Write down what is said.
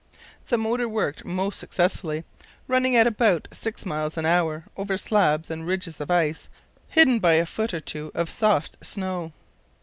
The motor worked most successfully, running at about six miles an hour over slabs and ridges of ice hidden by a foot or two of soft snow.